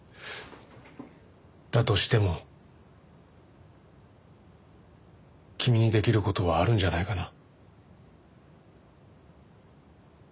だとしても君にできる事はあるんじゃないかな？